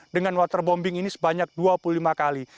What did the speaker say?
dengan waterbombing ini sebanyak dua puluh lima kali